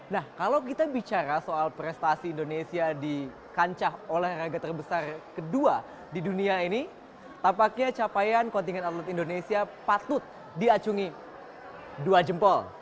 nah kalau kita bicara soal prestasi indonesia di kancah olahraga terbesar kedua di dunia ini tampaknya capaian kontingen atlet indonesia patut diacungi dua jempol